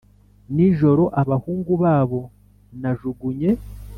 nijoro abahungu babo najugunye;